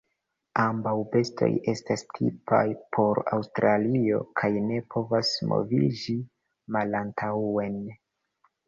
Ambaŭ bestoj estas tipaj por Aŭstralio kaj ne povas moviĝi malantaŭen.